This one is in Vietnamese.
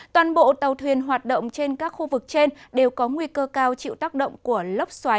toàn bộ tàu thuyền hoạt động trên các khu vực trên đều có nguy cơ cao chịu tác động của lốc xoáy